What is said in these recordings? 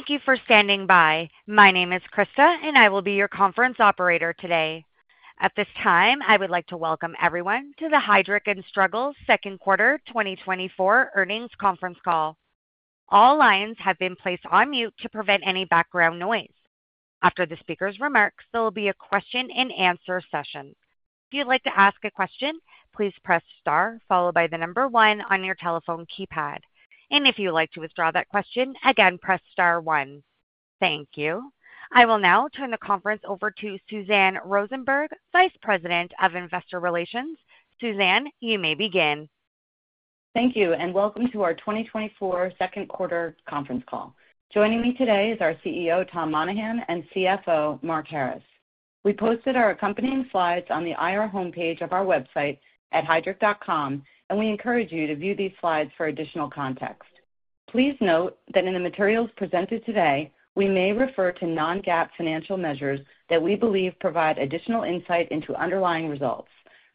Thank you for standing by. My name is Krista, and I will be your conference operator today. At this time, I would like to welcome everyone to the Heidrick & Struggles second quarter 2024 earnings conference call. All lines have been placed on mute to prevent any background noise. After the speaker's remarks, there will be a question-and-answer session. If you'd like to ask a question, please press star followed by the number one on your telephone keypad. If you'd like to withdraw that question, again, press star one. Thank you. I will now turn the conference over to Suzanne Rosenberg, Vice President of Investor Relations. Suzanne, you may begin. Thank you, and welcome to our 2024 second quarter conference call. Joining me today is our CEO, Tom Monahan, and CFO, Mark Harris. We posted our accompanying slides on the IR homepage of our website at heidrick.com, and we encourage you to view these slides for additional context. Please note that in the materials presented today, we may refer to non-GAAP financial measures that we believe provide additional insight into underlying results.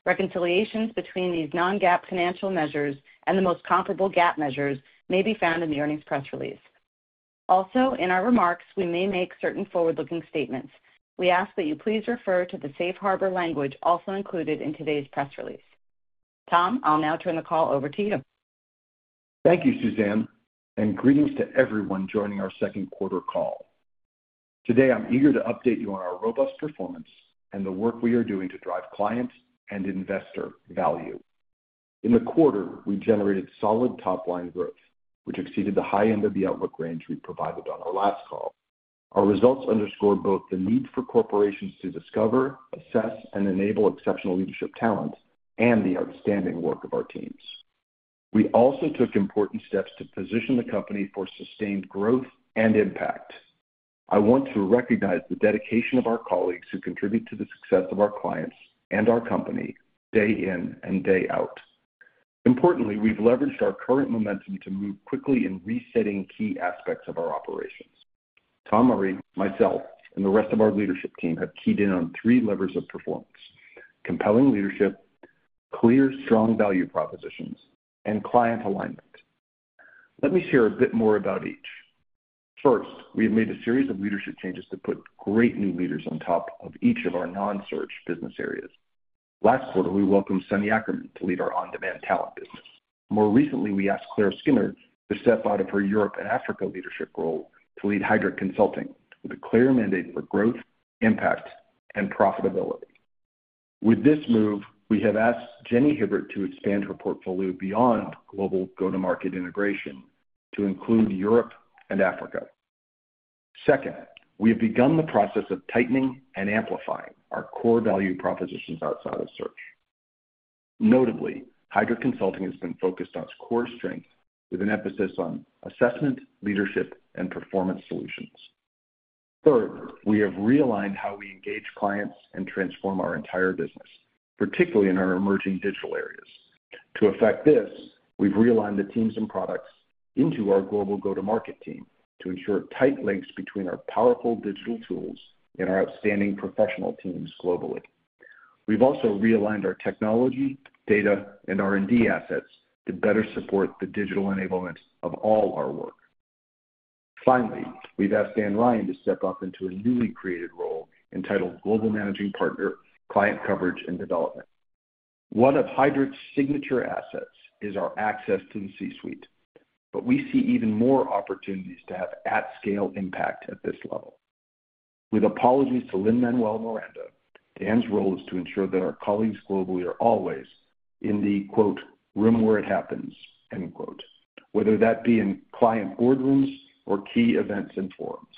Reconciliations between these non-GAAP financial measures and the most comparable GAAP measures may be found in the earnings press release. Also, in our remarks, we may make certain forward-looking statements. We ask that you please refer to the safe harbor language also included in today's press release. Tom, I'll now turn the call over to you. Thank you, Suzanne, and greetings to everyone joining our second quarter call. Today, I'm eager to update you on our robust performance and the work we are doing to drive client and investor value. In the quarter, we generated solid top-line growth, which exceeded the high end of the outlook range we provided on our last call. Our results underscore both the need for corporations to discover, assess, and enable exceptional leadership talent and the outstanding work of our teams. We also took important steps to position the company for sustained growth and impact. I want to recognize the dedication of our colleagues who contribute to the success of our clients and our company day in and day out. Importantly, we've leveraged our current momentum to move quickly in resetting key aspects of our operations. Tom Murray, myself, and the rest of our leadership team have keyed in on three levers of performance: compelling leadership, clear, strong value propositions, and client alignment. Let me share a bit more about each. First, we have made a series of leadership changes to put great new leaders on top of each of our non-search business areas. Last quarter, we welcomed Sunny Ackerman to lead our on-demand talent business. More recently, we asked Claire Skinner to step out of her Europe and Africa leadership role to lead Heidrick Consulting with a clear mandate for growth, impact, and profitability. With this move, we have asked Jenni Hibbert to expand her portfolio beyond global go-to-market integration to include Europe and Africa. Second, we have begun the process of tightening and amplifying our core value propositions outside of search. Notably, Heidrick Consulting has been focused on its core strengths with an emphasis on assessment, leadership, and performance solutions. Third, we have realigned how we engage clients and transform our entire business, particularly in our emerging digital areas. To affect this, we've realigned the teams and products into our global go-to-market team to ensure tight links between our powerful digital tools and our outstanding professional teams globally. We've also realigned our technology, data, and R&D assets to better support the digital enablement of all our work. Finally, we've asked Dan Ryan to step up into a newly created role entitled Global Managing Partner, Client Coverage and Development. One of Heidrick's signature assets is our access to the C-suite, but we see even more opportunities to have at-scale impact at this level. With apologies to Lin-Manuel Miranda, Dan's role is to ensure that our colleagues globally are always in the "room where it happens," whether that be in client boardrooms or key events and forums.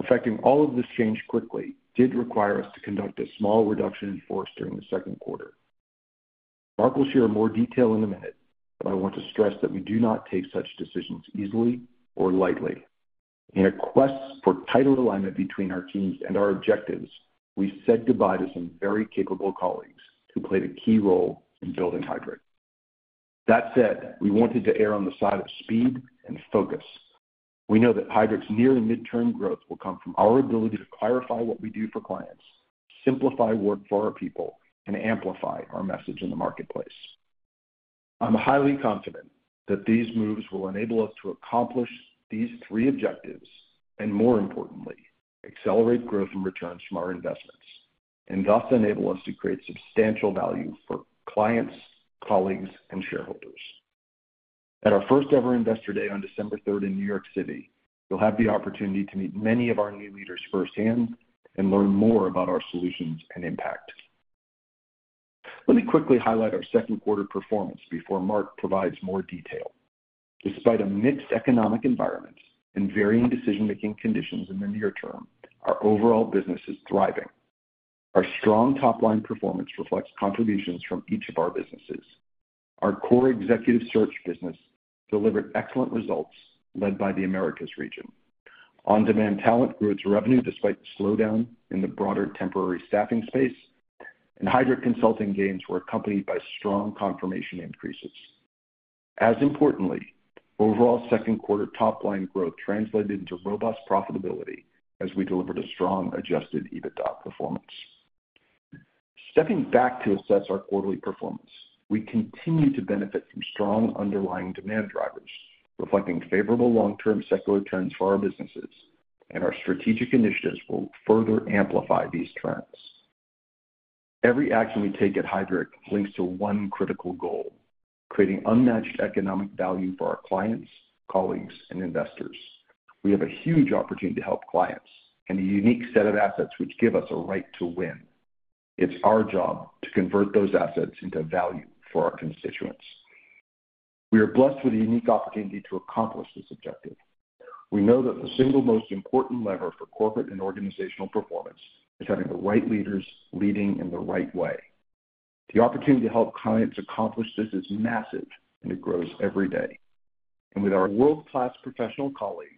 Affecting all of this change quickly did require us to conduct a small reduction in force during the second quarter. Mark will share more detail in a minute, but I want to stress that we do not take such decisions easily or lightly. In a quest for tighter alignment between our teams and our objectives, we said goodbye to some very capable colleagues who played a key role in building Heidrick. That said, we wanted to err on the side of speed and focus. We know that Heidrick's near-to-mid-term growth will come from our ability to clarify what we do for clients, simplify work for our people, and amplify our message in the marketplace. I'm highly confident that these moves will enable us to accomplish these three objectives and, more importantly, accelerate growth and returns from our investments and thus enable us to create substantial value for clients, colleagues, and shareholders. At our first-ever investor day on December 3rd in New York City, you'll have the opportunity to meet many of our new leaders firsthand and learn more about our solutions and impact. Let me quickly highlight our second quarter performance before Mark provides more detail. Despite a mixed economic environment and varying decision-making conditions in the near term, our overall business is thriving. Our strong top-line performance reflects contributions from each of our businesses. Our core executive search business delivered excellent results led by the Americas region. On-Demand Talent grew its revenue despite the slowdown in the broader temporary staffing space, and Heidrick Consulting gains were accompanied by strong confirmation increases. As importantly, overall second quarter top-line growth translated into robust profitability as we delivered a strong adjusted EBITDA performance. Stepping back to assess our quarterly performance, we continue to benefit from strong underlying demand drivers reflecting favorable long-term secular trends for our businesses, and our strategic initiatives will further amplify these trends. Every action we take at Heidrick links to one critical goal: creating unmatched economic value for our clients, colleagues, and investors. We have a huge opportunity to help clients and a unique set of assets which give us a right to win. It's our job to convert those assets into value for our constituents. We are blessed with a unique opportunity to accomplish this objective. We know that the single most important lever for corporate and organizational performance is having the right leaders leading in the right way. The opportunity to help clients accomplish this is massive, and it grows every day. With our world-class professional colleagues,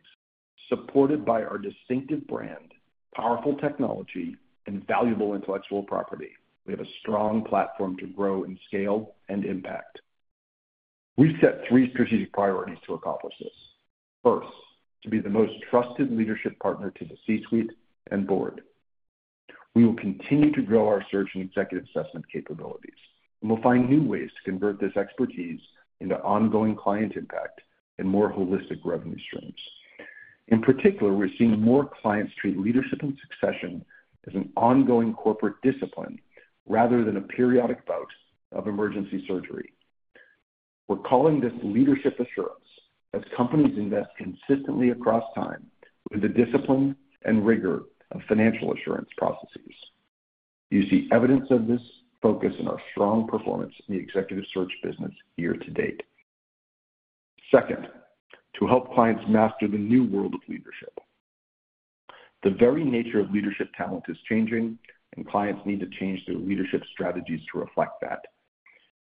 supported by our distinctive brand, powerful technology, and valuable intellectual property, we have a strong platform to grow in scale and impact. We've set three strategic priorities to accomplish this. First, to be the most trusted leadership partner to the C-suite and board. We will continue to grow our search and executive assessment capabilities, and we'll find new ways to convert this expertise into ongoing client impact and more holistic revenue streams. In particular, we're seeing more clients treat leadership and succession as an ongoing corporate discipline rather than a periodic bout of emergency surgery. We're calling this leadership assurance as companies invest consistently across time with the discipline and rigor of financial assurance processes. You see evidence of this focus in our strong performance in the executive search business year to date. Second, to help clients master the new world of leadership. The very nature of leadership talent is changing, and clients need to change their leadership strategies to reflect that.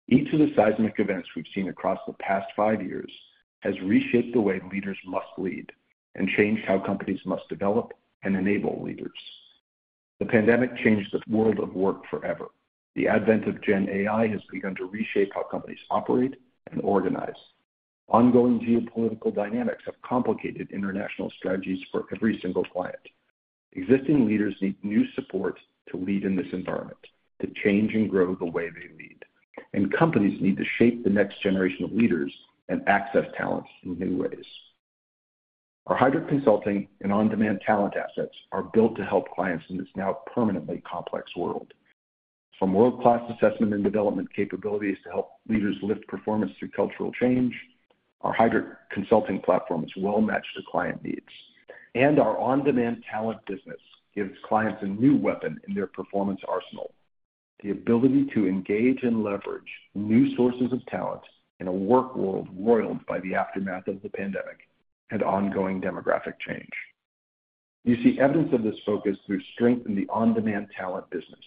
Each of the seismic events we've seen across the past five years has reshaped the way leaders must lead and changed how companies must develop and enable leaders. The pandemic changed the world of work forever. The advent of Gen AI has begun to reshape how companies operate and organize. Ongoing geopolitical dynamics have complicated international strategies for every single client. Existing leaders need new support to lead in this environment, to change and grow the way they lead. And companies need to shape the next generation of leaders and access talents in new ways. Our Heidrick Consulting and on-demand talent assets are built to help clients in this now permanently complex world. From world-class assessment and development capabilities to help leaders lift performance through cultural change, our Heidrick Consulting platform is well-matched to client needs. Our on-demand talent business gives clients a new weapon in their performance arsenal: the ability to engage and leverage new sources of talent in a work world roiled by the aftermath of the pandemic and ongoing demographic change. You see evidence of this focus through strength in the on-demand talent business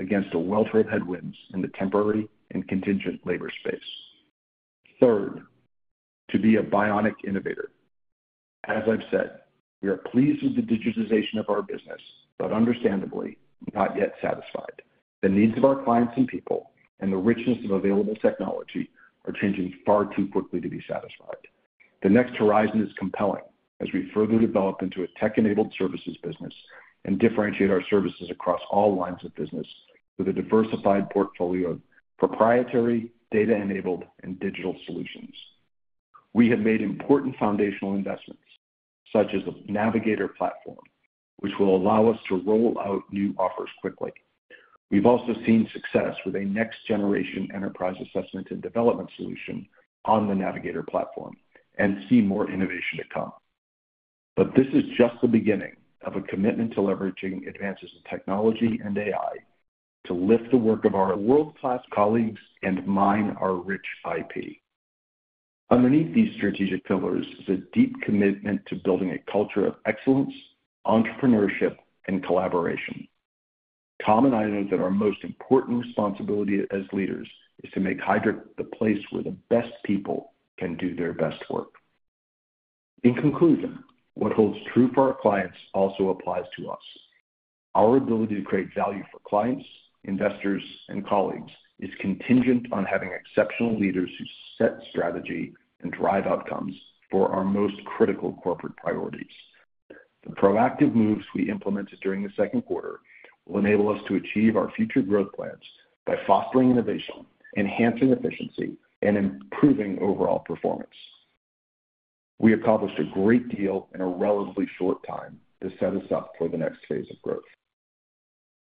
against a welter of headwinds in the temporary and contingent labor space. Third, to be a bionic innovator. As I've said, we are pleased with the digitization of our business, but understandably, not yet satisfied. The needs of our clients and people and the richness of available technology are changing far too quickly to be satisfied. The next horizon is compelling as we further develop into a tech-enabled services business and differentiate our services across all lines of business with a diversified portfolio of proprietary data-enabled and digital solutions. We have made important foundational investments, such as the Navigator platform, which will allow us to roll out new offers quickly. We've also seen success with a next-generation enterprise assessment and development solution on the Navigator platform and see more innovation to come. But this is just the beginning of a commitment to leveraging advances in technology and AI to lift the work of our world-class colleagues and mine our rich IP. Underneath these strategic pillars is a deep commitment to building a culture of excellence, entrepreneurship, and collaboration. Tom and I know that our most important responsibility as leaders is to make Heidrick the place where the best people can do their best work. In conclusion, what holds true for our clients also applies to us. Our ability to create value for clients, investors, and colleagues is contingent on having exceptional leaders who set strategy and drive outcomes for our most critical corporate priorities. The proactive moves we implemented during the second quarter will enable us to achieve our future growth plans by fostering innovation, enhancing efficiency, and improving overall performance. We accomplished a great deal in a relatively short time to set us up for the next phase of growth.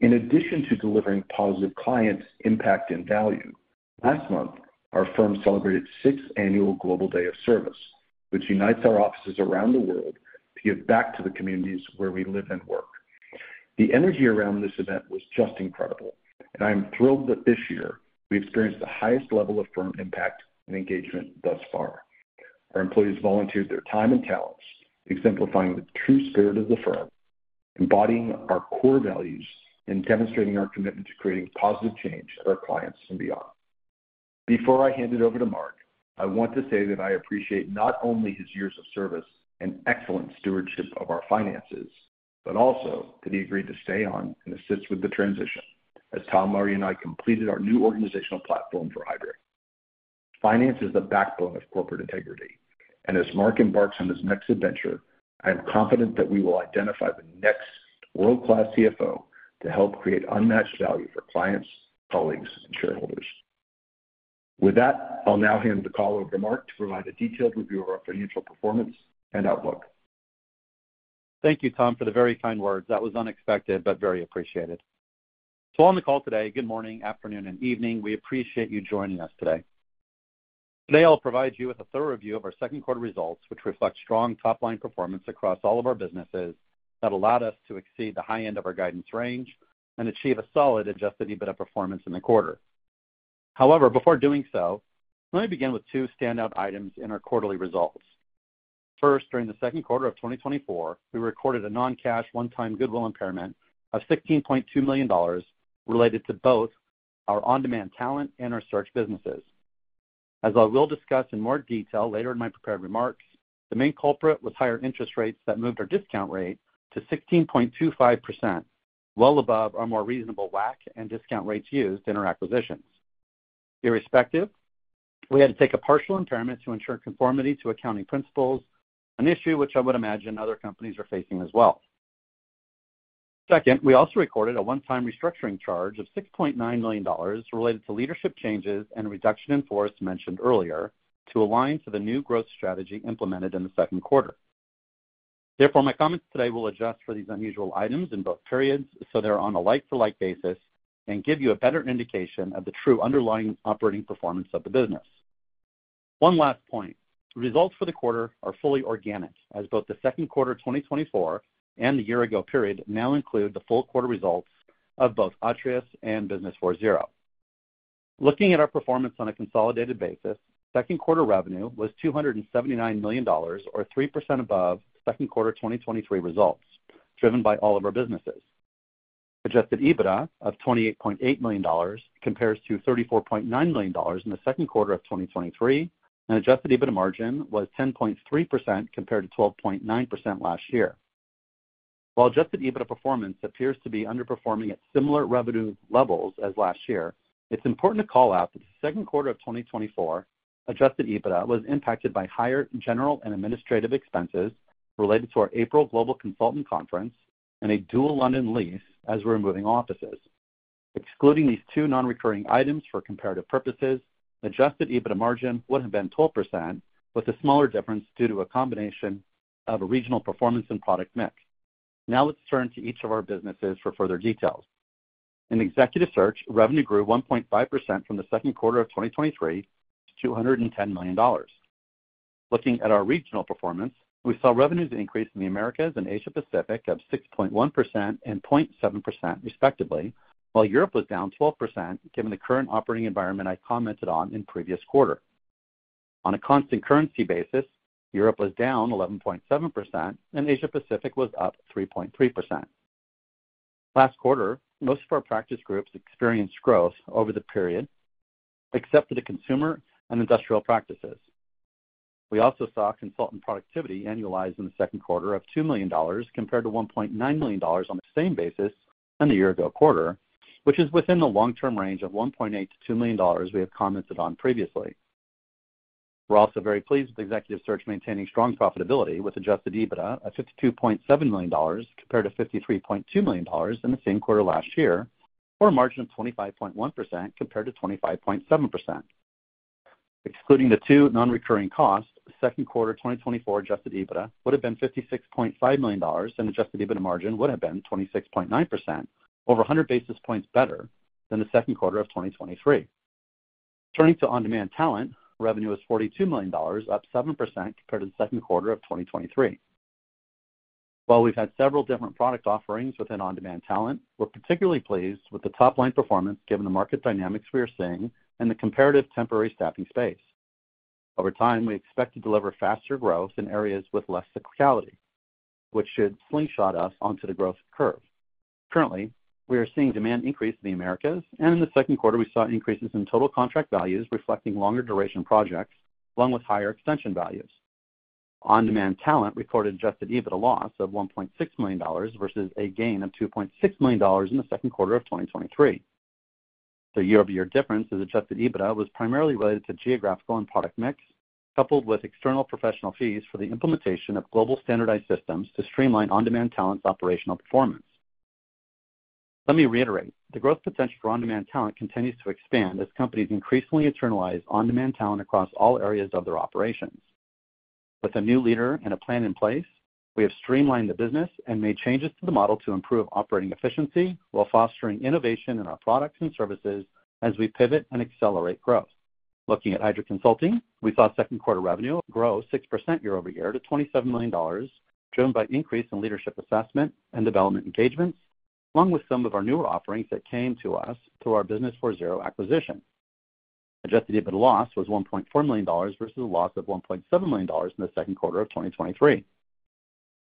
In addition to delivering positive client impact and value, last month, our firm celebrated sixth annual global day of service, which unites our offices around the world to give back to the communities where we live and work. The energy around this event was just incredible, and I am thrilled that this year we experienced the highest level of firm impact and engagement thus far. Our employees volunteered their time and talents, exemplifying the true spirit of the firm, embodying our core values, and demonstrating our commitment to creating positive change for our clients and beyond. Before I hand it over to Mark, I want to say that I appreciate not only his years of service and excellent stewardship of our finances, but also that he agreed to stay on and assist with the transition as Tom Murray and I completed our new organizational platform for Heidrick. Finance is the backbone of corporate integrity, and as Mark embarks on his next adventure, I am confident that we will identify the next world-class CFO to help create unmatched value for clients, colleagues, and shareholders. With that, I'll now hand the call over to Mark to provide a detailed review of our financial performance and outlook. Thank you, Tom, for the very kind words. That was unexpected, but very appreciated. To all on the call today, good morning, afternoon, and evening. We appreciate you joining us today. Today, I'll provide you with a thorough review of our second quarter results, which reflect strong top-line performance across all of our businesses that allowed us to exceed the high end of our guidance range and achieve a solid adjusted EBITDA performance in the quarter. However, before doing so, let me begin with two standout items in our quarterly results. First, during the second quarter of 2024, we recorded a non-cash one-time goodwill impairment of $16.2 million related to both our on-demand talent and our search businesses. As I will discuss in more detail later in my prepared remarks, the main culprit was higher interest rates that moved our discount rate to 16.25%, well above our more reasonable WACC and discount rates used in our acquisitions. Irrespective, we had to take a partial impairment to ensure conformity to accounting principles, an issue which I would imagine other companies are facing as well. Second, we also recorded a one-time restructuring charge of $6.9 million related to leadership changes and reduction in force mentioned earlier to align to the new growth strategy implemented in the second quarter. Therefore, my comments today will adjust for these unusual items in both periods so they're on a like-for-like basis and give you a better indication of the true underlying operating performance of the business. One last point. Results for the quarter are fully organic, as both the second quarter 2024 and the year-ago period now include the full quarter results of both Atreus and BusinessFourZero. Looking at our performance on a consolidated basis, second quarter revenue was $279 million, or 3% above second quarter 2023 results, driven by all of our businesses. Adjusted EBITDA of $28.8 million compares to $34.9 million in the second quarter of 2023, and adjusted EBITDA margin was 10.3% compared to 12.9% last year. While adjusted EBITDA performance appears to be underperforming at similar revenue levels as last year, it's important to call out that the second quarter of 2024 adjusted EBITDA was impacted by higher general and administrative expenses related to our April global consultant conference and a dual London lease as we're moving offices. Excluding these two non-recurring items for comparative purposes, adjusted EBITDA margin would have been 12%, with a smaller difference due to a combination of a regional performance and product mix. Now let's turn to each of our businesses for further details. In executive search, revenue grew 1.5% from the second quarter of 2023 to $210 million. Looking at our regional performance, we saw revenues increase in the Americas and Asia-Pacific of 6.1% and 0.7%, respectively, while Europe was down 12% given the current operating environment I commented on in previous quarter. On a constant currency basis, Europe was down 11.7%, and Asia-Pacific was up 3.3%. Last quarter, most of our practice groups experienced growth over the period, except for the consumer and industrial practices. We also saw consultant productivity annualized in the second quarter of $2 million compared to $1.9 million on the same basis than the year-ago quarter, which is within the long-term range of $1.8-$2 million we have commented on previously. We're also very pleased with executive search maintaining strong profitability with adjusted EBITDA of $52.7 million compared to $53.2 million in the same quarter last year, or a margin of 25.1% compared to 25.7%. Excluding the two non-recurring costs, second quarter 2024 adjusted EBITDA would have been $56.5 million, and adjusted EBITDA margin would have been 26.9%, over 100 basis points better than the second quarter of 2023. Turning to on-demand talent, revenue was $42 million, up 7% compared to the second quarter of 2023. While we've had several different product offerings within on-demand talent, we're particularly pleased with the top-line performance given the market dynamics we are seeing in the comparative temporary staffing space. Over time, we expect to deliver faster growth in areas with less cyclicality, which should slingshot us onto the growth curve. Currently, we are seeing demand increase in the Americas, and in the second quarter, we saw increases in total contract values reflecting longer duration projects, along with higher extension values. On-demand talent recorded adjusted EBITDA loss of $1.6 million versus a gain of $2.6 million in the second quarter of 2023. The year-over-year difference in adjusted EBITDA was primarily related to geographical and product mix, coupled with external professional fees for the implementation of global standardized systems to streamline on-demand talent's operational performance. Let me reiterate. The growth potential for on-demand talent continues to expand as companies increasingly internalize on-demand talent across all areas of their operations. With a new leader and a plan in place, we have streamlined the business and made changes to the model to improve operating efficiency while fostering innovation in our products and services as we pivot and accelerate growth. Looking at Heidrick Consulting, we saw second quarter revenue grow 6% year-over-year to $27 million, driven by increase in leadership assessment and development engagements, along with some of our newer offerings that came to us through our BusinessFourZero acquisition. Adjusted EBITDA loss was $1.4 million versus a loss of $1.7 million in the second quarter of 2023.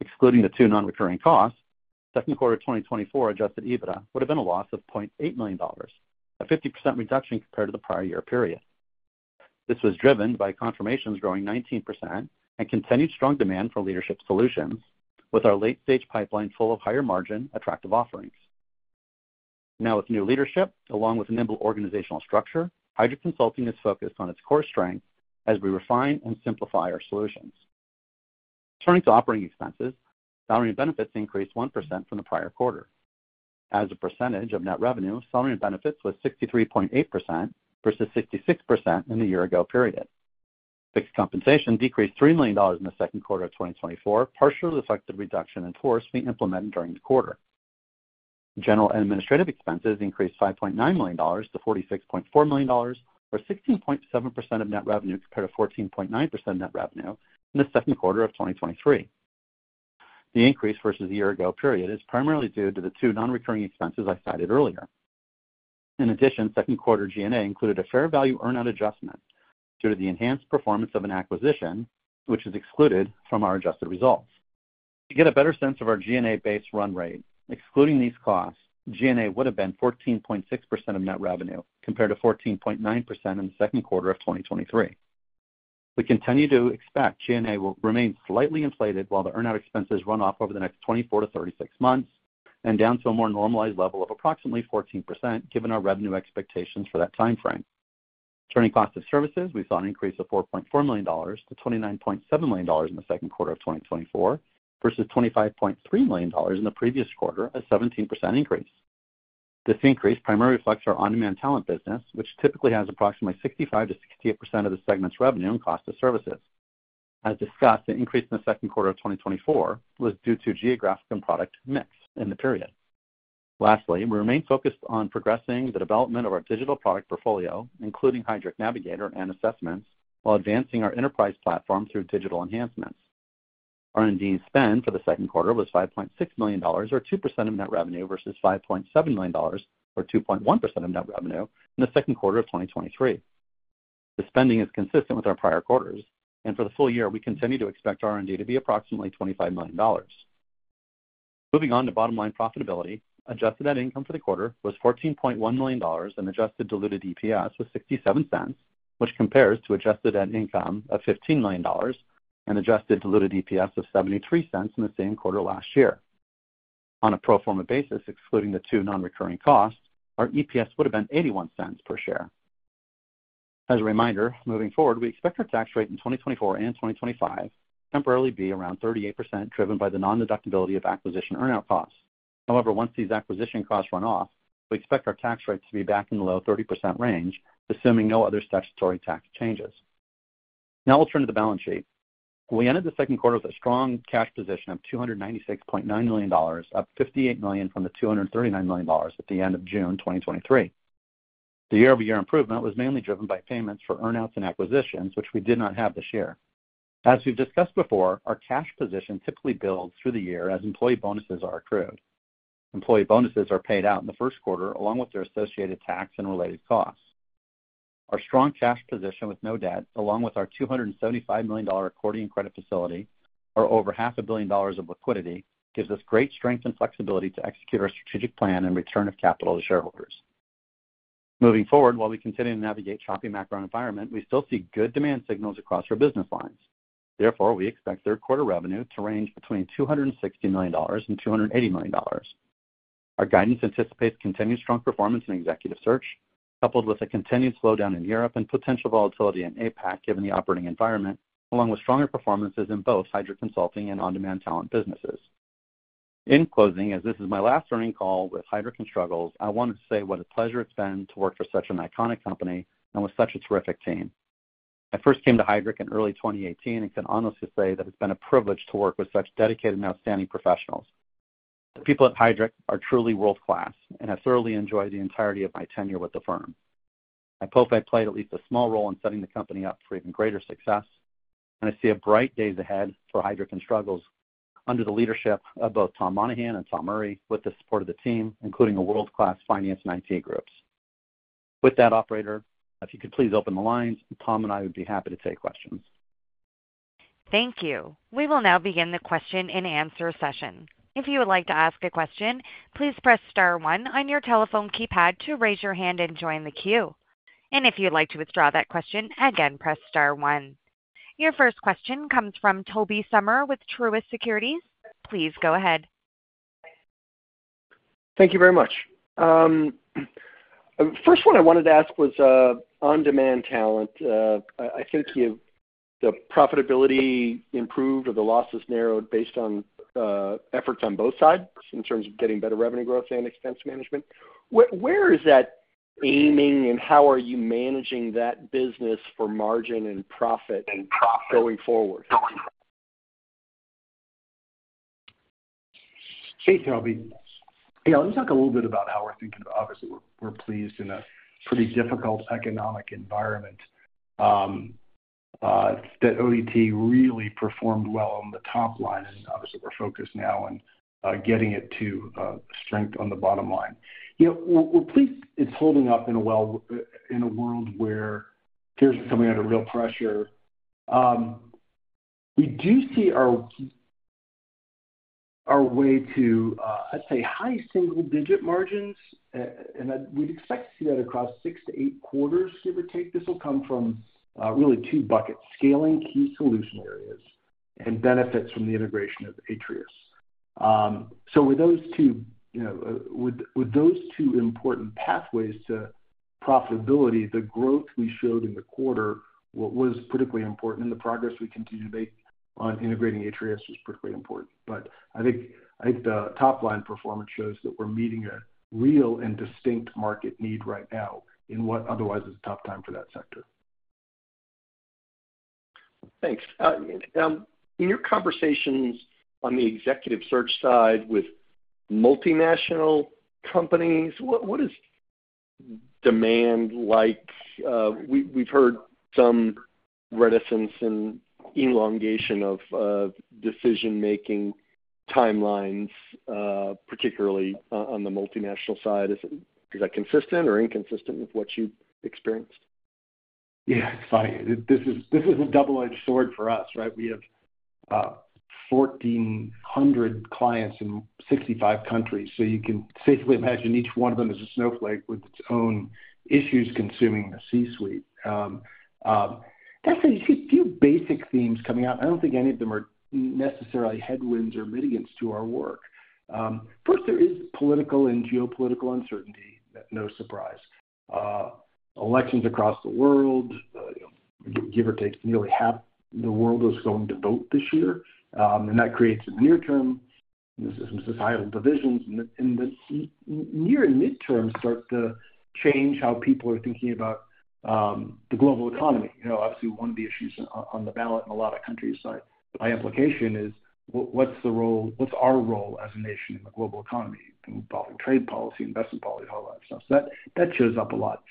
Excluding the two non-recurring costs, second quarter 2024 adjusted EBITDA would have been a loss of $0.8 million, a 50% reduction compared to the prior year period. This was driven by confirmations growing 19% and continued strong demand for leadership solutions, with our late-stage pipeline full of higher-margin, attractive offerings. Now, with new leadership, along with nimble organizational structure, Heidrick Consulting is focused on its core strength as we refine and simplify our solutions. Turning to operating expenses, salary and benefits increased 1% from the prior quarter. As a percentage of net revenue, salary and benefits was 63.8% versus 66% in the year-ago period. Fixed compensation decreased $3 million in the second quarter of 2024, partially reflected reduction in force we implemented during the quarter. General and administrative expenses increased $5.9 million to $46.4 million, or 16.7% of net revenue compared to 14.9% net revenue in the second quarter of 2023. The increase versus the year-ago period is primarily due to the two non-recurring expenses I cited earlier. In addition, second quarter G&A included a fair value earn-out adjustment due to the enhanced performance of an acquisition, which is excluded from our adjusted results. To get a better sense of our G&A-based run rate, excluding these costs, G&A would have been 14.6% of net revenue compared to 14.9% in the second quarter of 2023. We continue to expect G&A will remain slightly inflated while the earn-out expenses run off over the next 24 to 36 months and down to a more normalized level of approximately 14% given our revenue expectations for that timeframe. Turning cost of services, we saw an increase of $4.4 million to $29.7 million in the second quarter of 2024 versus $25.3 million in the previous quarter, a 17% increase. This increase primarily reflects our on-demand talent business, which typically has approximately 65%-68% of the segment's revenue in cost of services. As discussed, the increase in the second quarter of 2024 was due to geographic and product mix in the period. Lastly, we remain focused on progressing the development of our digital product portfolio, including Heidrick Navigator and assessments, while advancing our enterprise platform through digital enhancements. R&D spend for the second quarter was $5.6 million, or 2% of net revenue versus $5.7 million, or 2.1% of net revenue in the second quarter of 2023. The spending is consistent with our prior quarters, and for the full year, we continue to expect R&D to be approximately $25 million. Moving on to bottom-line profitability, adjusted net income for the quarter was $14.1 million and adjusted diluted EPS was $0.67, which compares to adjusted net income of $15 million and adjusted diluted EPS of $0.73 in the same quarter last year. On a pro forma basis, excluding the two non-recurring costs, our EPS would have been $0.81 per share. As a reminder, moving forward, we expect our tax rate in 2024 and 2025 to temporarily be around 38%, driven by the non-deductibility of acquisition earn-out costs. However, once these acquisition costs run off, we expect our tax rate to be back in the low 30% range, assuming no other statutory tax changes. Now we'll turn to the balance sheet. We ended the second quarter with a strong cash position of $296.9 million, up $58 million from the $239 million at the end of June 2023. The year-over-year improvement was mainly driven by payments for earn-outs and acquisitions, which we did not have this year. As we've discussed before, our cash position typically builds through the year as employee bonuses are accrued. Employee bonuses are paid out in the first quarter, along with their associated tax and related costs. Our strong cash position with no debt, along with our $275 million accordion credit facility or over $500 million of liquidity, gives us great strength and flexibility to execute our strategic plan and return of capital to shareholders. Moving forward, while we continue to navigate a choppy macro environment, we still see good demand signals across our business lines. Therefore, we expect third quarter revenue to range between $260 million and $280 million. Our guidance anticipates continued strong performance in executive search, coupled with a continued slowdown in Europe and potential volatility in APAC given the operating environment, along with stronger performances in both Heidrick Consulting and on-demand talent businesses. In closing, as this is my last earnings call with Heidrick & Struggles, I want to say what a pleasure it's been to work for such an iconic company and with such a terrific team. I first came to Heidrick in early 2018 and can honestly say that it's been a privilege to work with such dedicated and outstanding professionals. The people at Heidrick are truly world-class, and I have thoroughly enjoyed the entirety of my tenure with the firm. I hope I played at least a small role in setting the company up for even greater success, and I see bright days ahead for Heidrick & Struggles under the leadership of both Tom Monahan and Tom Murray, with the support of the team, including the world-class finance and IT groups. With that, Operator, if you could please open the lines, Tom and I would be happy to take questions. Thank you. We will now begin the question-and-answer session. If you would like to ask a question, please press star one on your telephone keypad to raise your hand and join the queue. And if you'd like to withdraw that question, again, press star one. Your first question comes from Tobey Sommer with Truist Securities. Please go ahead. Thank you very much. The first one I wanted to ask was on-demand talent. I think the profitability improved or the losses narrowed based on efforts on both sides in terms of getting better revenue growth and expense management. Where is that aiming, and how are you managing that business for margin and profit going forward? Hey, Tobey. Yeah, let me talk a little bit about how we're thinking about. Obviously, we're pleased in a pretty difficult economic environment that ODT really performed well on the top line, and obviously, we're focused now on getting it to strength on the bottom line. We're pleased it's holding up in a world where here's something under real pressure. We do see our way to, I'd say, high single-digit margins, and we'd expect to see that across 6-8 quarters, give or take. This will come from really two buckets: scaling key solution areas and benefits from the integration of Atreus. So with those two, with those two important pathways to profitability, the growth we showed in the quarter was particularly important, and the progress we continue to make on integrating Atreus was particularly important. But I think the top-line performance shows that we're meeting a real and distinct market need right now in what otherwise is a tough time for that sector. Thanks. In your conversations on the executive search side with multinational companies, what is demand like? We've heard some reticence and elongation of decision-making timelines, particularly on the multinational side. Is that consistent or inconsistent with what you experienced? Yeah, it's funny. This is a double-edged sword for us, right? We have 1,400 clients in 65 countries, so you can safely imagine each one of them is a snowflake with its own issues consuming the C-suite. Definitely, you see a few basic themes coming out. I don't think any of them are necessarily headwinds or mitigants to our work. First, there is political and geopolitical uncertainty, no surprise. Elections across the world, give or take, nearly half the world is going to vote this year, and that creates in the near term societal divisions, and the near and midterm start to change how people are thinking about the global economy. Obviously, one of the issues on the ballot in a lot of countries by implication is, what's our role as a nation in the global economy? Probably trade policy, investment policy, all that stuff. That shows up a lot.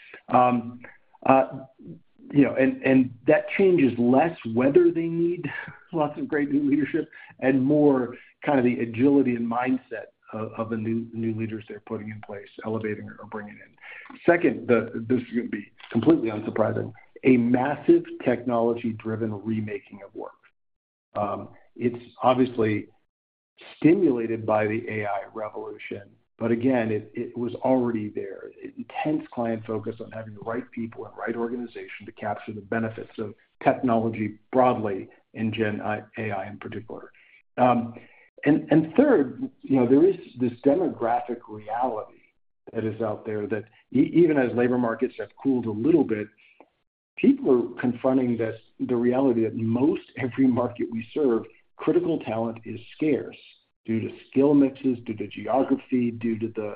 And that changes less whether they need lots of great new leadership and more kind of the agility and mindset of the new leaders they're putting in place, elevating or bringing in. Second, this is going to be completely unsurprising, a massive technology-driven remaking of work. It's obviously stimulated by the AI revolution, but again, it was already there. Intense client focus on having the right people and right organization to capture the benefits of technology broadly and Gen AI in particular. And third, there is this demographic reality that is out there that even as labor markets have cooled a little bit, people are confronting the reality that most every market we serve, critical talent is scarce due to skill mixes, due to geography, due to the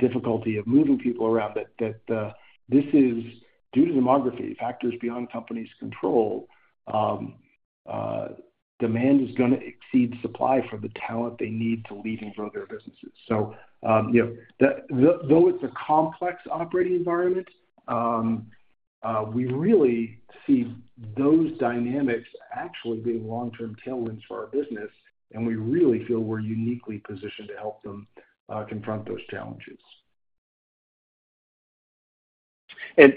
difficulty of moving people around, that this is due to demography, factors beyond companies' control. Demand is going to exceed supply for the talent they need to leave and grow their businesses. So though it's a complex operating environment, we really see those dynamics actually being long-term tailwinds for our business, and we really feel we're uniquely positioned to help them confront those challenges.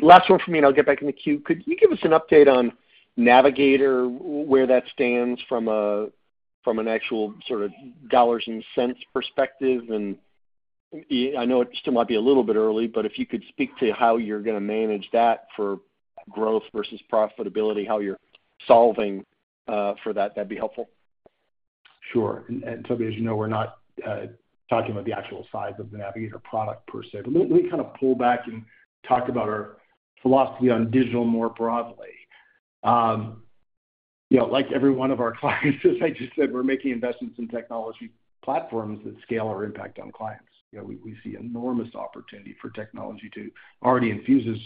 Last one from me, and I'll get back in the queue. Could you give us an update on Navigator, where that stands from an actual sort of dollars-and-cents perspective? I know it still might be a little bit early, but if you could speak to how you're going to manage that for growth versus profitability, how you're solving for that, that'd be helpful. Sure. And Tobey, as you know, we're not talking about the actual size of the Navigator product per se, but let me kind of pull back and talk about our philosophy on digital more broadly. Like every one of our clients, as I just said, we're making investments in technology platforms that scale our impact on clients. We see enormous opportunity for technology to already infuse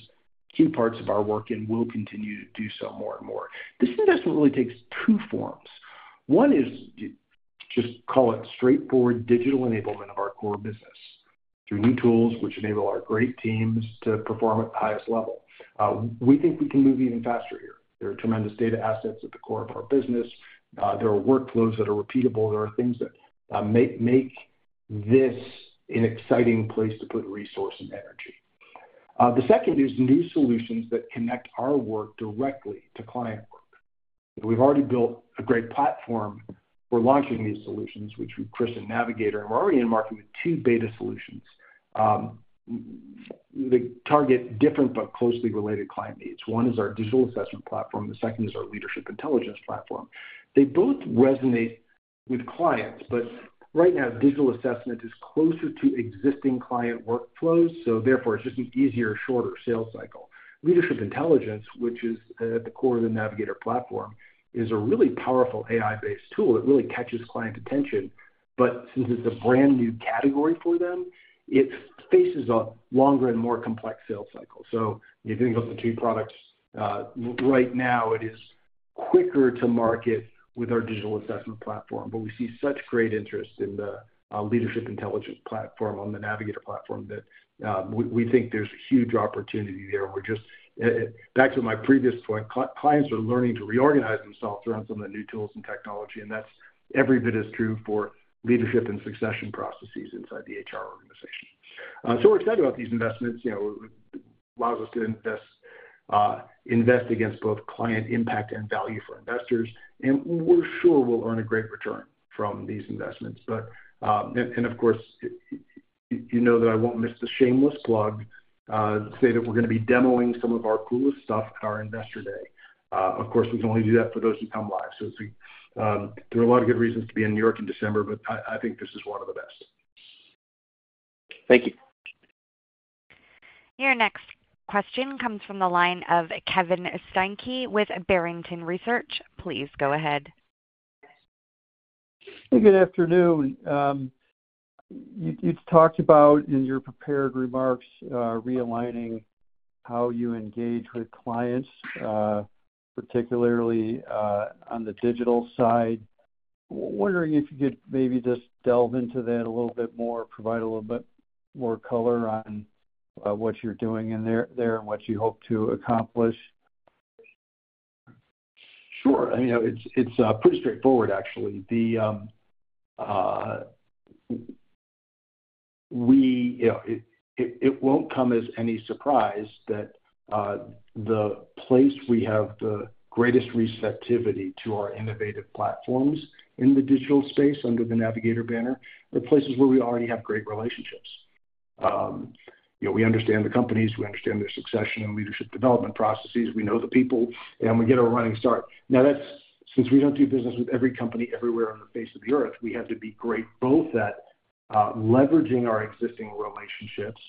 key parts of our work and will continue to do so more and more. This investment really takes two forms. One is just call it straightforward digital enablement of our core business through new tools which enable our great teams to perform at the highest level. We think we can move even faster here. There are tremendous data assets at the core of our business. There are workflows that are repeatable. There are things that make this an exciting place to put resource and energy. The second is new solutions that connect our work directly to client work. We've already built a great platform. We're launching these solutions, which we've christened Navigator, and we're already in market with two beta solutions that target different but closely related client needs. One is our digital assessment platform. The second is our leadership intelligence platform. They both resonate with clients, but right now, digital assessment is closer to existing client workflows, so therefore, it's just an easier, shorter sales cycle. Leadership intelligence, which is at the core of the Navigator platform, is a really powerful AI-based tool that really catches client attention, but since it's a brand new category for them, it faces a longer and more complex sales cycle. If you think of the two products right now, it is quicker to market with our digital assessment platform, but we see such great interest in the leadership intelligence platform on the Navigator platform that we think there's a huge opportunity there. Back to my previous point, clients are learning to reorganize themselves around some of the new tools and technology, and that's every bit as true for leadership and succession processes inside the HR organization. We're excited about these investments. It allows us to invest against both client impact and value for investors, and we're sure we'll earn a great return from these investments. Of course, you know that I won't miss the shameless plug to say that we're going to be demoing some of our coolest stuff at our investor day. Of course, we can only do that for those who come live. There are a lot of good reasons to be in New York in December, but I think this is one of the best. Thank you. Your next question comes from the line of Kevin Steinke with Barrington Research. Please go ahead. Hey, good afternoon. You talked about in your prepared remarks realigning how you engage with clients, particularly on the digital side. Wondering if you could maybe just delve into that a little bit more, provide a little bit more color on what you're doing in there and what you hope to accomplish? Sure. It's pretty straightforward, actually. It won't come as any surprise that the place we have the greatest receptivity to our innovative platforms in the digital space under the Navigator banner are places where we already have great relationships. We understand the companies. We understand their succession and leadership development processes. We know the people, and we get a running start. Now, since we don't do business with every company everywhere on the face of the earth, we have to be great both at leveraging our existing relationships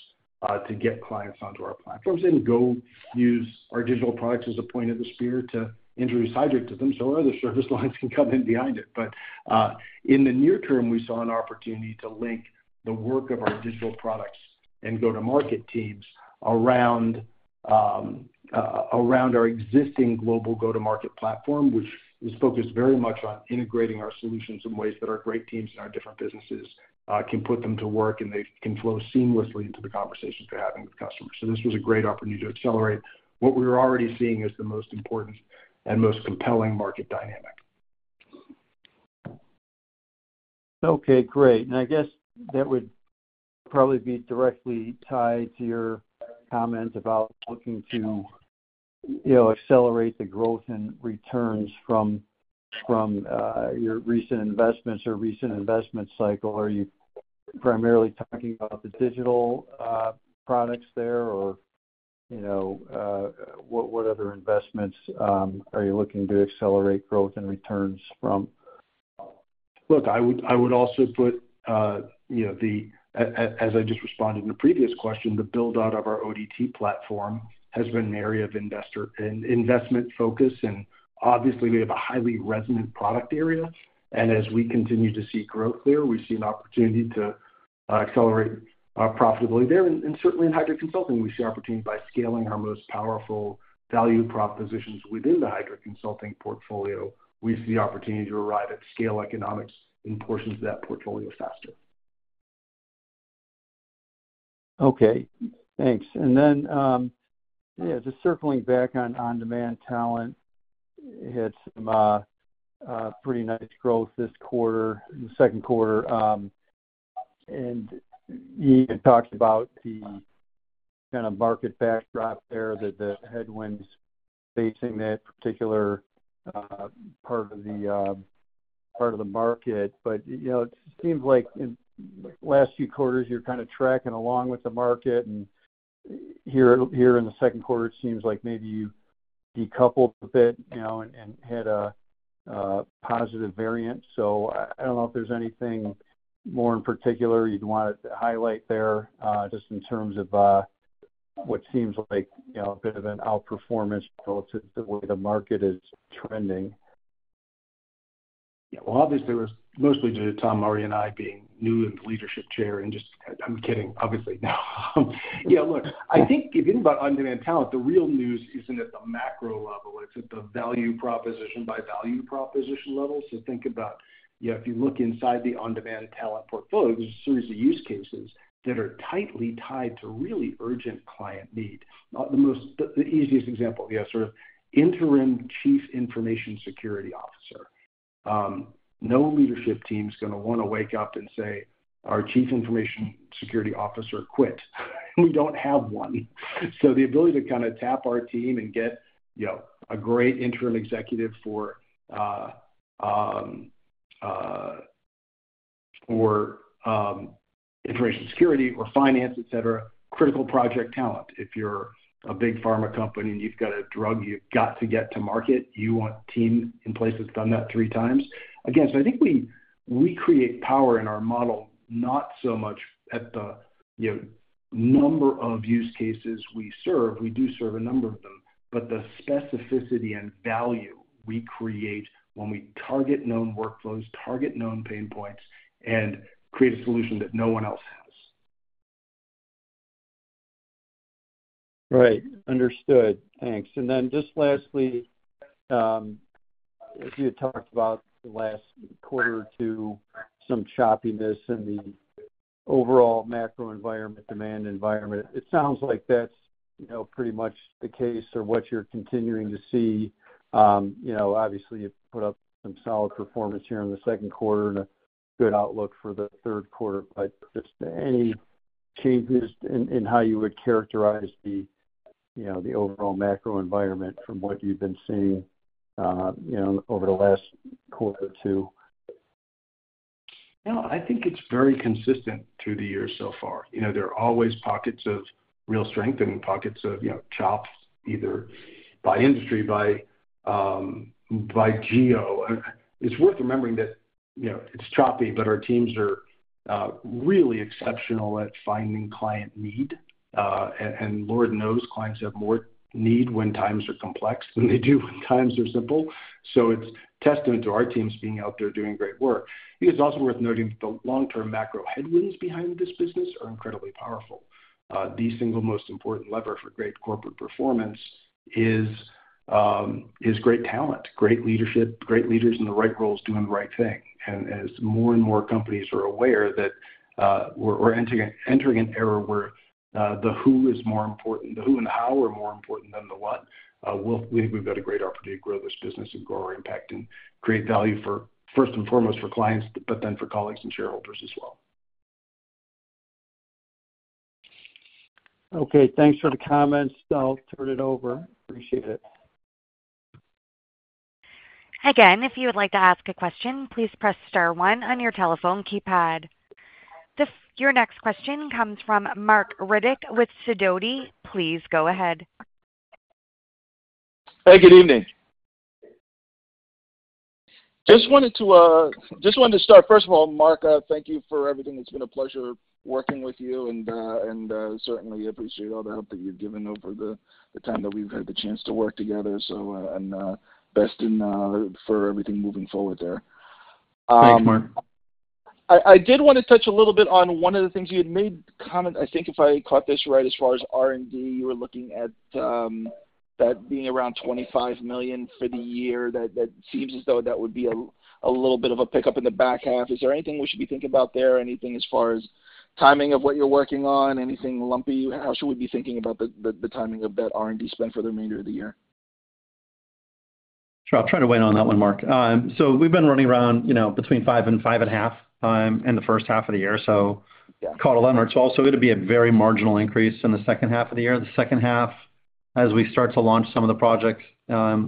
to get clients onto our platforms and go use our digital products as a point of the spear to introduce Heidrick to them so other service lines can come in behind it. But in the near term, we saw an opportunity to link the work of our digital products and go-to-market teams around our existing global go-to-market platform, which is focused very much on integrating our solutions in ways that our great teams in our different businesses can put them to work, and they can flow seamlessly into the conversations they're having with customers. So this was a great opportunity to accelerate what we were already seeing as the most important and most compelling market dynamic. Okay, great. And I guess that would probably be directly tied to your comment about looking to accelerate the growth and returns from your recent investments or recent investment cycle. Are you primarily talking about the digital products there, or what other investments are you looking to accelerate growth and returns from? Look, I would also put the, as I just responded in a previous question, the build-out of our ODT platform has been an area of investment focus, and obviously, we have a highly resonant product area. As we continue to see growth there, we see an opportunity to accelerate profitability there. Certainly, in Heidrick Consulting, we see an opportunity by scaling our most powerful value propositions within the Heidrick Consulting portfolio. We see the opportunity to arrive at scale economics in portions of that portfolio faster. Okay. Thanks. And then, yeah, just circling back on on-demand talent, had some pretty nice growth this quarter, the second quarter. And you talked about the kind of market backdrop there, that the headwinds facing that particular part of the market. But it seems like in the last few quarters, you're kind of tracking along with the market. And here in the second quarter, it seems like maybe you decoupled a bit and had a positive variant. So I don't know if there's anything more in particular you'd want to highlight there just in terms of what seems like a bit of an outperformance relative to the way the market is trending. Yeah. Well, obviously, it was mostly due to Tom Maury and I being new in the leadership chair, and just I'm kidding, obviously. Yeah, look, I think if you think about on-demand talent, the real news isn't at the macro level. It's at the value proposition by value proposition level. So think about, if you look inside the on-demand talent portfolio, there's a series of use cases that are tightly tied to really urgent client need. The easiest example, sort of interim chief information security officer. No leadership team's going to want to wake up and say, "Our chief information security officer quit." We don't have one. So the ability to kind of tap our team and get a great interim executive for information security or finance, etc., critical project talent. If you're a big pharma company and you've got a drug you've got to get to market, you want a team in place that's done that three times. Again, so I think we create power in our model, not so much at the number of use cases we serve. We do serve a number of them, but the specificity and value we create when we target known workflows, target known pain points, and create a solution that no one else has. Right. Understood. Thanks. And then just lastly, as you talked about the last quarter or two, some choppiness in the overall macro environment, demand environment. It sounds like that's pretty much the case or what you're continuing to see. Obviously, you put up some solid performance here in the second quarter and a good outlook for the third quarter. But just any changes in how you would characterize the overall macro environment from what you've been seeing over the last quarter or two? Yeah. I think it's very consistent through the years so far. There are always pockets of real strength and pockets of chop, either by industry, by geo. It's worth remembering that it's choppy, but our teams are really exceptional at finding client need. And Lord knows clients have more need when times are complex than they do when times are simple. So it's testament to our teams being out there doing great work. It's also worth noting that the long-term macro headwinds behind this business are incredibly powerful. The single most important lever for great corporate performance is great talent, great leadership, great leaders in the right roles doing the right thing. As more and more companies are aware that we're entering an era where the who is more important, the who and how are more important than the what, we think we've got a great opportunity to grow this business and grow our impact and create value for, first and foremost, for clients, but then for colleagues and shareholders as well. Okay. Thanks for the comments. I'll turn it over. Appreciate it. Again, if you would like to ask a question, please press star one on your telephone keypad. Your next question comes from Mark Riddick with Sidoti. Please go ahead. Hey, good evening. Just wanted to start, first of all, Mark, thank you for everything. It's been a pleasure working with you, and certainly, I appreciate all the help that you've given over the time that we've had the chance to work together. And best wishes for everything moving forward there. That's Mark. I did want to touch a little bit on one of the things you had made comment. I think if I caught this right, as far as R&D, you were looking at that being around $25 million for the year. That seems as though that would be a little bit of a pickup in the back half. Is there anything we should be thinking about there? Anything as far as timing of what you're working on? Anything lumpy? How should we be thinking about the timing of that R&D spend for the remainder of the year? Sure. I'll try to weigh in on that one, Mark. So we've been running around between 5 and 5.5 in the first half of the year. So call it 11 or 12. So it'd be a very marginal increase in the second half of the year. The second half, as we start to launch some of the projects,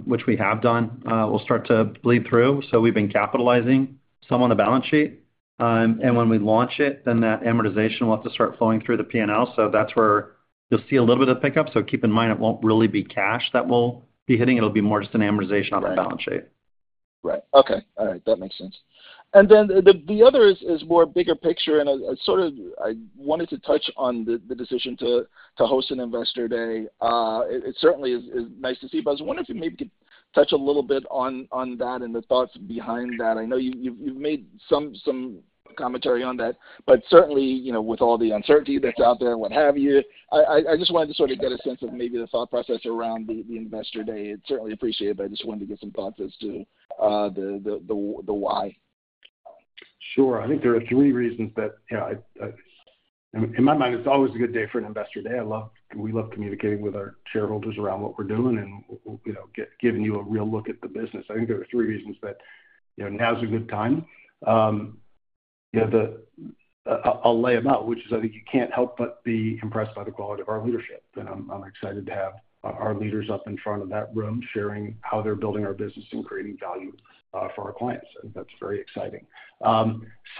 which we have done, we'll start to bleed through. So we've been capitalizing some on the balance sheet. And when we launch it, then that amortization will have to start flowing through the P&L. So that's where you'll see a little bit of pickup. So keep in mind, it won't really be cash that we'll be hitting. It'll be more just an amortization on the balance sheet. Right. Okay. All right. That makes sense. And then the other is more bigger picture. And sort of I wanted to touch on the decision to host an investor day. It certainly is nice to see, but I was wondering if you maybe could touch a little bit on that and the thoughts behind that. I know you've made some commentary on that, but certainly, with all the uncertainty that's out there and what have you, I just wanted to sort of get a sense of maybe the thought process around the investor day. It's certainly appreciated, but I just wanted to get some thoughts as to the why. Sure. I think there are three reasons that in my mind, it's always a good day for an investor day. We love communicating with our shareholders around what we're doing and giving you a real look at the business. I think there are three reasons that now is a good time. I'll lay them out, which is I think you can't help but be impressed by the quality of our leadership. And I'm excited to have our leaders up in front of that room sharing how they're building our business and creating value for our clients. I think that's very exciting.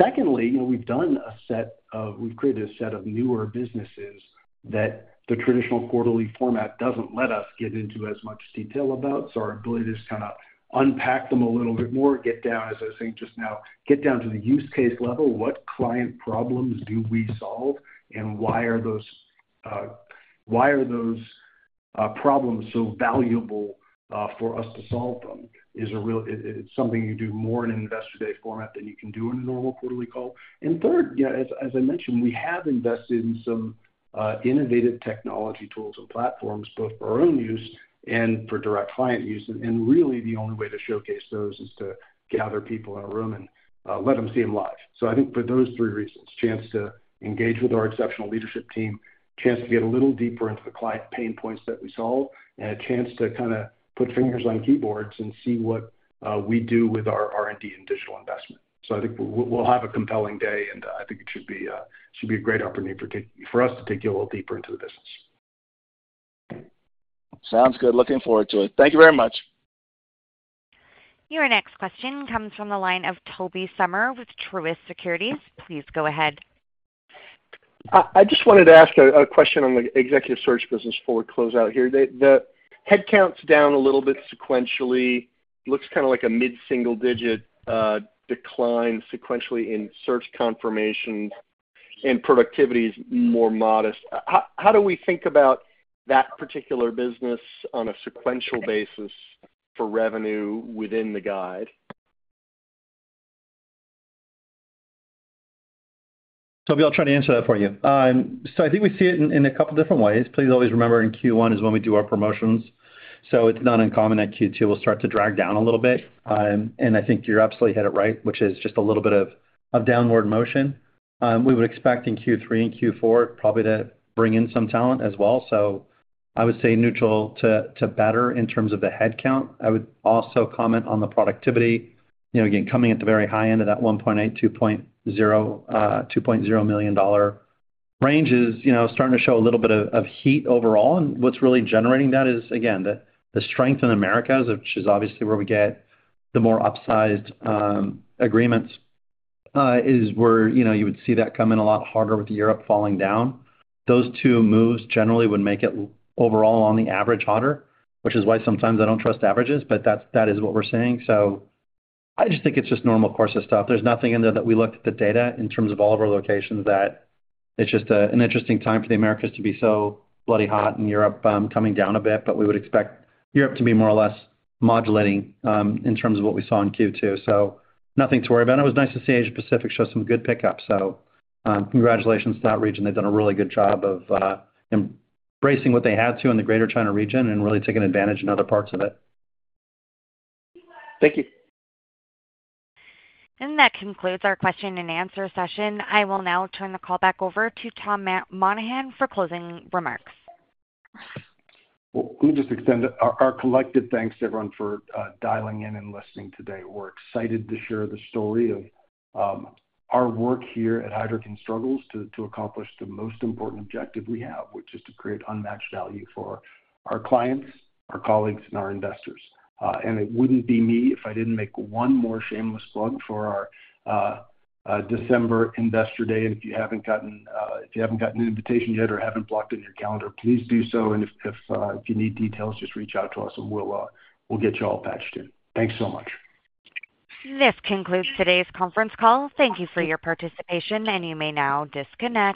Secondly, we've created a set of newer businesses that the traditional quarterly format doesn't let us get into as much detail about. Our ability to just kind of unpack them a little bit more, get down, as I was saying just now, get down to the use case level. What client problems do we solve, and why are those problems so valuable for us to solve them? It's something you do more in an investor day format than you can do in a normal quarterly call. Third, as I mentioned, we have invested in some innovative technology tools and platforms, both for our own use and for direct client use. Really, the only way to showcase those is to gather people in a room and let them see them live. So I think for those three reasons, chance to engage with our exceptional leadership team, chance to get a little deeper into the client pain points that we solve, and a chance to kind of put fingers on keyboards and see what we do with our R&D and digital investment. So I think we'll have a compelling day, and I think it should be a great opportunity for us to take you a little deeper into the business. Sounds good. Looking forward to it. Thank you very much. Your next question comes from the line of Tobey Sommer with Truist Securities. Please go ahead. I just wanted to ask a question on the executive search business before we close out here. The headcount's down a little bit sequentially. Looks kind of like a mid-single digit decline sequentially in search confirmations, and productivity is more modest. How do we think about that particular business on a sequential basis for revenue within the guide? Tobey, I'll try to answer that for you. So I think we see it in a couple of different ways. Please always remember in Q1 is when we do our promotions. So it's not uncommon that Q2 will start to drag down a little bit. And I think you're absolutely hit it right, which is just a little bit of downward motion. We would expect in Q3 and Q4 probably to bring in some talent as well. So I would say neutral to better in terms of the headcount. I would also comment on the productivity. Again, coming at the very high end of that $1.8-$2.0 million range is starting to show a little bit of heat overall. And what's really generating that is, again, the strength in Americas, which is obviously where we get the more upsized agreements, is where you would see that come in a lot harder with Europe falling down. Those two moves generally would make it overall on the average hotter, which is why sometimes I don't trust averages, but that is what we're seeing. So I just think it's just normal course of stuff. There's nothing in there that we looked at the data in terms of all of our locations that it's just an interesting time for the Americas to be so bloody hot and Europe coming down a bit. But we would expect Europe to be more or less modulating in terms of what we saw in Q2. So nothing to worry about. It was nice to see Asia-Pacific show some good pickup. So congratulations to that region. They've done a really good job of embracing what they had to in the Greater China region and really taking advantage in other parts of it. Thank you. That concludes our question and answer session. I will now turn the call back over to Tom Monahan for closing remarks. Well, let me just extend our collective thanks to everyone for dialing in and listening today. We're excited to share the story of our work here at Heidrick & Struggles to accomplish the most important objective we have, which is to create unmatched value for our clients, our colleagues, and our investors. It wouldn't be me if I didn't make one more shameless plug for our December investor day. If you haven't gotten an invitation yet or haven't blocked in your calendar, please do so. If you need details, just reach out to us, and we'll get you all patched in. Thanks so much. This concludes today's conference call. Thank you for your participation, and you may now disconnect.